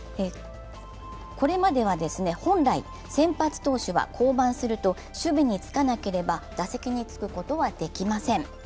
これまでは本来、先発投手は降板すると守備につかなかければ、打席につくことはできません。